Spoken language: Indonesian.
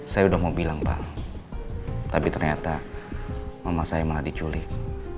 saya udah mau bilang pak tapi ternyata mama saya malah diculik